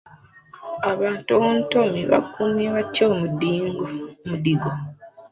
Abatontomi bakuumye batya omudigido?